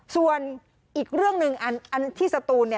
ส่วนอีกเรื่องหนึ่งอันที่สตูน